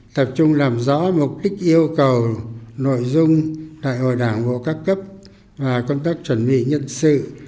tập trung làm rõ mục đích yêu cầu nội dung tại hội đảng bộ các cấp và công tác chuẩn bị nhân sự